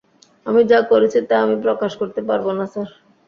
আমি যা করেছি তা আমি প্রকাশ করতে পারব না, স্যার।